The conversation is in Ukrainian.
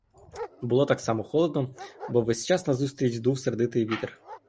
Було так само холодно, бо ввесь час назустріч дув сердитий вітер.